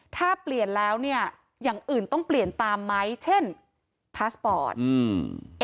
ถ้าเปลี่ยนแล้วเนี่ยอย่างอื่นต้องเปลี่ยนตามไหมเช่นพาสปอร์ตอืม